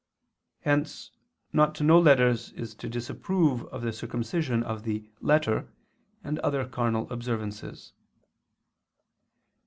Hence not to know letters is to disapprove of the circumcision of the "letter" and other carnal observances.